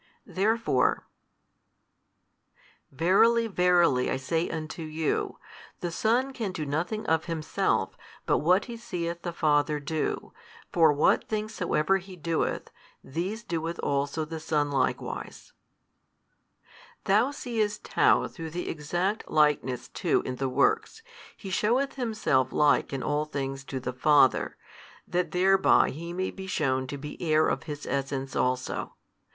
Therefore, Verily verily I say unto you, The Son can do nothing of Himself but what He seeth the Father do: for what things soever He doeth, these doeth also the Son likewise. Thou seest how through the exact likeness too in the works, He sheweth Himself like in all things to the Father, that thereby He may be shewn to be Heir of His Essence also.